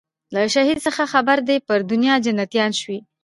له شهیده څه خبر دي پر دنیا جنتیان سوي